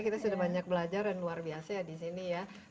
kita sudah banyak belajar dan luar biasa ya di sini ya